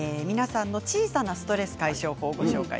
小さなストレス解消法です。